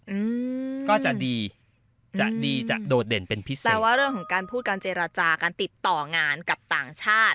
อืมก็จะดีจะดีจะโดดเด่นเป็นพิเศษแปลว่าเรื่องของการพูดการเจรจาการติดต่องานกับต่างชาติ